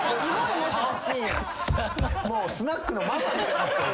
もうスナックのママみたいになってる。